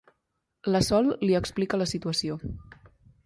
La Sol li explica la situació.